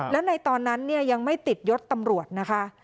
และในตอนนั้นยังไม่ติดยศตำรวจนะคะ